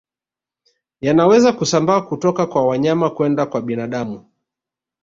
Yanaweza kusambaa kutoka kwa wanyama kwenda kwa binadamu